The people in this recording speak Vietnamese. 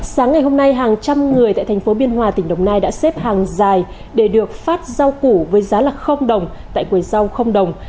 sáng ngày hôm nay hàng trăm người tại tp biên hòa tỉnh đồng nai đã xếp hàng dài để được phát rau củ với giá là đồng tại quầy rau đồng